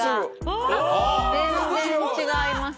全然違います。